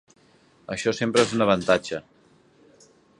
Això sempre és un avantatge.